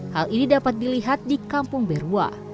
hal ini dapat dilihat di kampung berua